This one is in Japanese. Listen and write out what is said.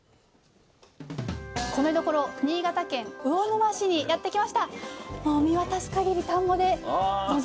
米どころ新潟県魚沼市にやって来ました。